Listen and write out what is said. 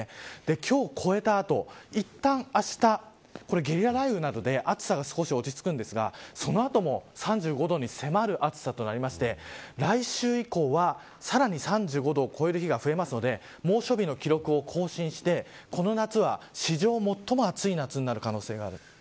今日超えた後いったん、あしたゲリラ雷雨などで暑さが少し落ち着くんですがその後も３５度に迫る暑さとなりまして来週以降は、さらに３５度を超える日が増えますので猛暑日の記録を更新してこの夏は史上最も暑い夏になる可能性があります。